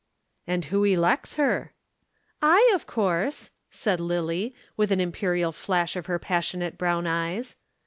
"And who elects her?" "I, of course!" said Lillie, with an imperial flash in her passionate brown eyes.